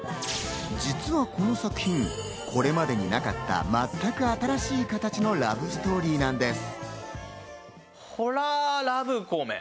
実はこの作品、これまでになかった全く新しい形のラブストーリーなんです。